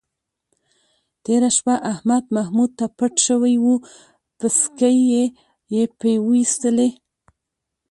تېره شپه احمد محمود ته پټ شوی و، پسکې یې پې وایستلی.